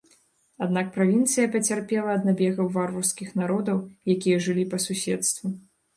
Аднак правінцыя цярпела ад набегаў варварскіх народаў, якія жылі па суседству.